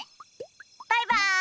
バイバーイ！